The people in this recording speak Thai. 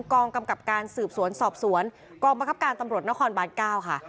กองกำกับการสืบสวนสอบสวนกองบังคับการตำรวจนครบาน๙ค่ะ